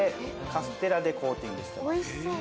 カステラでコーティングしてます。